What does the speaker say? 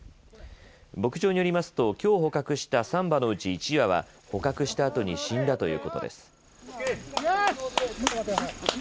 牧場によりますときょう捕獲した３羽のうち１羽は捕獲したあとに死んだということです。